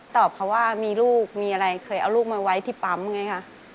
ตอบเขาว่ามีลูกมีอะไรเคยเอาลูกมาไว้ที่ปั๊มไงค่ะ